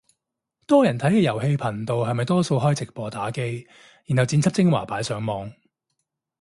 多人睇嘅遊戲頻道係咪多數係開直播打機，然後剪輯精華擺上網